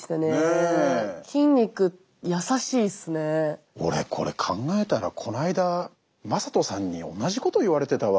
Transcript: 何か俺これ考えたらこの間魔裟斗さんに同じこと言われてたわ。